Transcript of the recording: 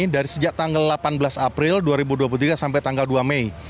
dari sejak tanggal delapan belas april dua ribu dua puluh tiga sampai tanggal dua mei